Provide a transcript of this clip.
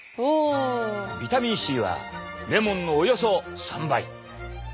ビタミンＣはレモンのおよそ３倍。